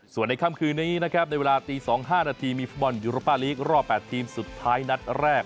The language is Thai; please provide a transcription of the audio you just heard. ส่วนในค่ำคืนนี้นะครับในเวลาตี๒๕นาทีมีฟุตบอลยูโรป้าลีกรอบ๘ทีมสุดท้ายนัดแรก